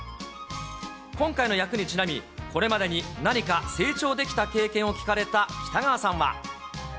今回の役にちなみ、これまでに何か成長できた経験を聞かれた北川さんは。